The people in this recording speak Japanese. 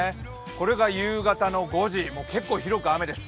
これが夕方の５時、結構広く雨です。